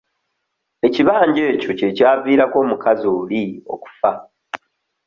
Ekibanja ekyo kye kyaviirako omukazi oli okufa.